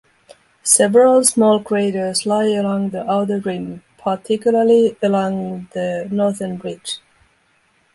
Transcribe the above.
Several small craters lie along the outer rim, particularly along the northern edge.